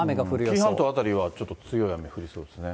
紀伊半島辺りはちょっと強い雨降りそうですね。